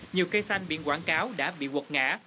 nhiều cây xanh biển quảng cáo đã bị quật ngã